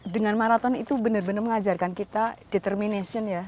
dengan maraton itu benar benar mengajarkan kita determination ya